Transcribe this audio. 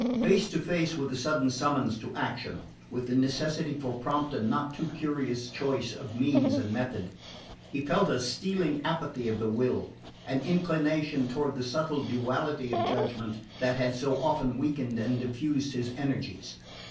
Face to face with the sudden summons to action, with the necessity for prompt and not too curious choice of means and method, he felt a stealing apathy of the will, an inclination toward the subtle duality of judgment that had so often weakened and diffused his energies.